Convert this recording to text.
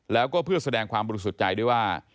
แล้วก็เพื่อแสดงความบริสุทธิ์ใจด้วยว่า